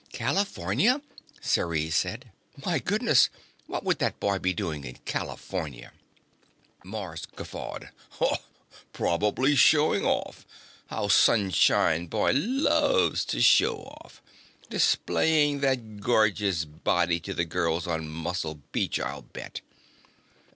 "California?" Ceres said. "My goodness, what would that boy be doing in California?" Mars guffawed. "Probably showing off how Sunshine Boy loves to show off! Displaying that gorgeous body to the girls on Muscle Beach, I'll bet."